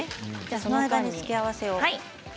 その間に付け合わせを。